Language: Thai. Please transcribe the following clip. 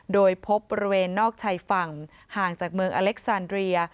โดยพบบริเวณนอกชายฝั่งห่างจากเมืองอเล็กซานเรีย